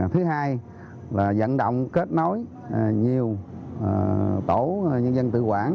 thứ hai là dẫn động kết nối nhiều tổ nhân dân tự quản